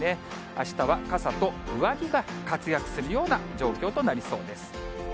あしたは傘と上着が活躍するような状況となりそうです。